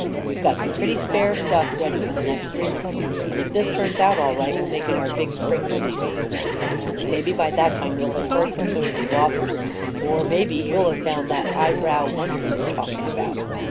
We've got soifie pretty fair stuff ready for the next three months, ajid if this turns out all right, we'll make it our Dig spring release. Maybe by that time well have heard from some of these authors — or maybe <■ ou'll have found that highbrow wonder you were talking about.